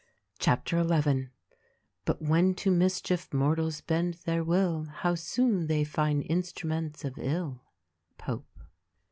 CHAPTER XL "But when to mischief mortals bend their will How soon they find fit instruments of ill." — Pope.